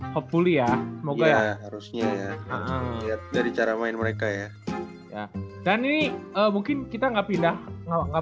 hopefully ya semoga ya harusnya dari cara main mereka ya dan ini mungkin kita nggak pindah nggak